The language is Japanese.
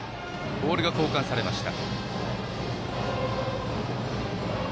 ボールが交換されました。